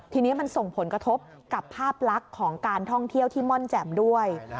ทีนี้มันส่งผลกระทบกับภาพลักษณ์ของการท่องเที่ยวที่ม่อนแจ่มด้วย